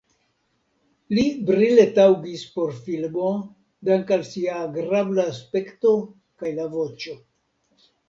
Li brile taŭgis por filmo dank‘ al sia agrabla aspekto kaj la voĉo.